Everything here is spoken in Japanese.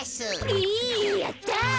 えやった！